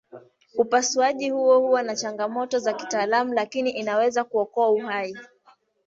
Upasuaji huo huwa na changamoto za kitaalamu lakini inaweza kuokoa uhai.